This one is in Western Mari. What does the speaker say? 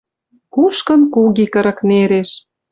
Кушкын куги кырык нереш